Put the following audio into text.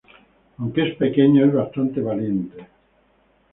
Aunque es pequeño, es bastante valiente.